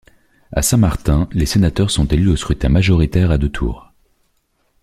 À Saint-Martin, les sénateurs sont élus au scrutin majoritaire à deux tours.